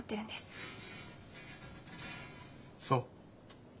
そう。